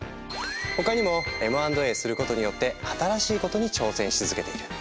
他にもＭ＆Ａすることによって新しいことに挑戦し続けている。